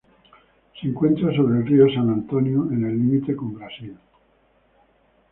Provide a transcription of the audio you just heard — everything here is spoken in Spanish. Se encuentra sobre el río San Antonio, en el límite con Brasil.